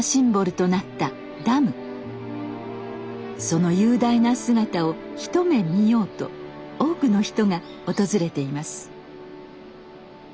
その雄大な姿を一目見ようと多くの人が訪れています。